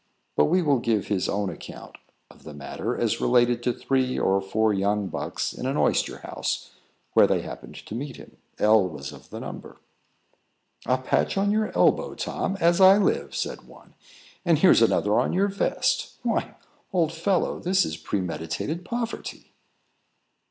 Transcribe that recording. But we will give his own account of the matter, as related to three or four young bucks in an oyster house, where they happened to meet him. L was of the number. "A patch on your elbow, Tom, as I live!" said one; "and here's another on your vest. Why, old fellow, this is premeditated poverty."